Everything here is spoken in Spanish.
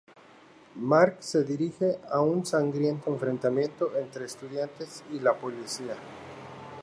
Mark se dirige a un sangriento enfrentamiento entre estudiantes y la policía.